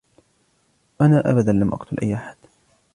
أنا أبداً لم أقتل أي أحداً.